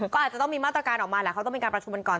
ก็อาจจะต้องมีมาตรการออกมาเขาต้องมีการประชุมก่อน